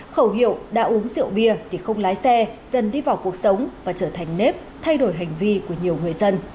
khẩu hiệu đã uống rượu bia thì không lái xe dần đi vào cuộc sống và trở thành nếp thay đổi hành vi của nhiều người dân